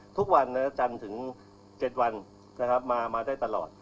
ทุกวันจันทร์ถึง๗วันมาได้ตลอด